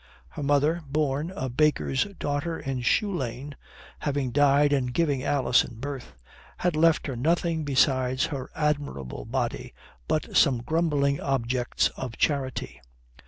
Her mother, born a baker's daughter in Shoe Lane, having died in giving Alison birth, had left her nothing besides her admirable body but some grumbling objects of charity.